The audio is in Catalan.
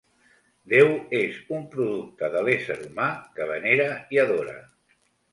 Déu és un producte de l'ésser humà que venera i adora.